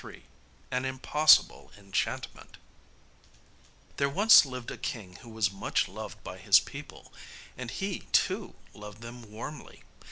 ] An Impossible Enchantment There once lived a king who was much loved by his people, and he, too, loved them warmly.